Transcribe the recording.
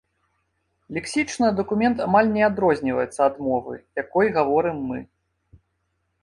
Лексічна дакумент амаль не адрозніваецца ад мовы, якой гаворым мы.